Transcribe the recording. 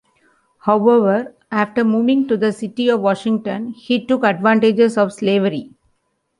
However, after moving to the City of Washington, he took advantage of slavery.